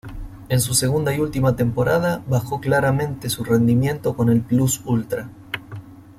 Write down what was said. En su segunda y última temporada bajó claramente su rendimiento con el Plus Ultra.